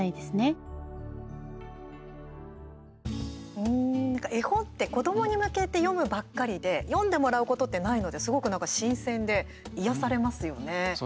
うーん、絵本って子どもに向けて読むばっかりで読んでもらうことってないのですごく、なんか新鮮で癒やされますよね。